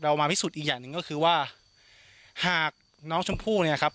มาพิสูจน์อีกอย่างหนึ่งก็คือว่าหากน้องชมพู่เนี่ยครับ